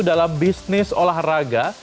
dalam bisnis olahraga